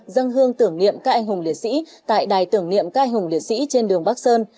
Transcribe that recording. dân hương tưởng niệm các anh hùng liệt sĩ tại đài tưởng niệm các anh hùng liệt sĩ trên đường bắc sơn